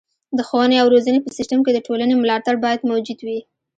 د ښوونې او روزنې په سیستم کې د ټولنې ملاتړ باید موجود وي.